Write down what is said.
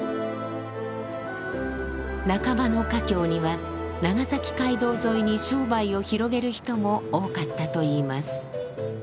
仲間の華僑には長崎街道沿いに商売を広げる人も多かったといいます。